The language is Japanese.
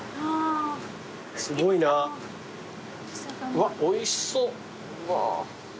うわおいしそう。